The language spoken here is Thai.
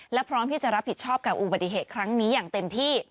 และพร้อมที่จะรับผิดชอบกับอุบัติเหตุครั้งนี้อย่างเต็มที่